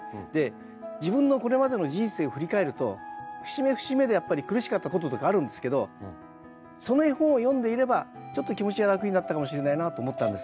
自分のこれまでの人生を振り返ると節目節目でやっぱり苦しかったこととかあるんですけどその絵本を読んでいればちょっと気持ちが楽になったかもしれないなと思ったんです。